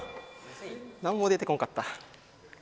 何も出てこんかった。